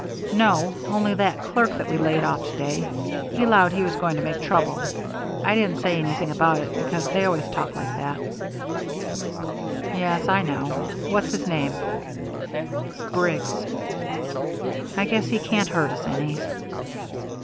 "No, only that clerk that we laid off to day, he 'lowed he was going to make trouble. I didn't say anything about it, because they always talk like that." "Yes, I know. What's his name?" "Briggs." "I guess he can't hurt us any."